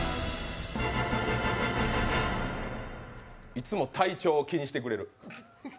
いつも体調を気にしてくれる。